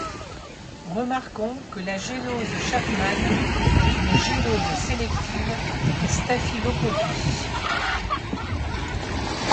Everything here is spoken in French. Remarquons que la gélose Chapman est une gélose sélective des staphylococcus.